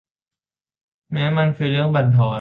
แม้มันคือเรื่องบั่นทอน